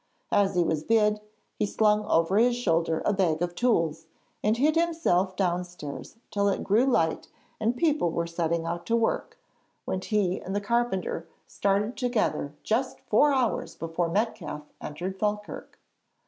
As he was bid, he slung over his shoulder a bag of tools, and hid himself downstairs till it grew light and people were setting out to work, when he and the carpenter started together just four hours before Metcalfe entered Falkirk.